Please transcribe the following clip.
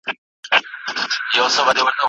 کولای». برعکس، موږ لیدلي دي، چي د نورو قومي